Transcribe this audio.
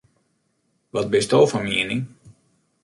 Wat bisto fan miening?